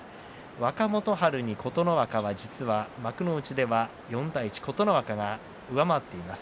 若元春に琴ノ若は実は幕内では４対１琴ノ若が上回っています。